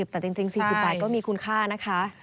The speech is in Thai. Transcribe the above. แต่จริง๔๐บาทก็มีคุณค่านะคะ